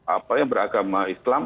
apa ya beragama islam